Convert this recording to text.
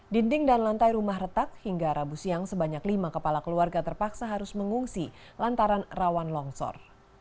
dinding dan lantai rumah retak hingga rabu siang sebanyak lima kepala keluarga terpaksa harus mengungsi lantaran rawan longsor